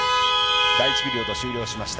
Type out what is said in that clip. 第１ピリオド終了しました。